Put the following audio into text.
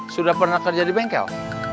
sudah pernah kerja di bengkel